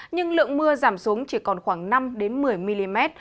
nhưng lượng mưa giảm xuống chỉ còn khoảng năm một mươi mm